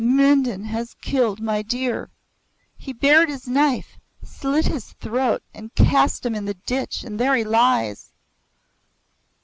"Mindon has killed my deer. He bared his knife, slit his throat and cast him in the ditch and there he lies."